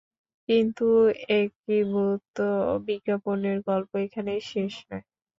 কিন্তু একীভূত বিজ্ঞানের গল্প এখানেই শেষ নয়।